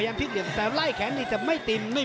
น้ำเงินนี่ดูหน้าเสื้องเสื้อง